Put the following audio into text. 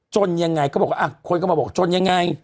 ยังไงก็บอกว่าคนก็มาบอกจนยังไง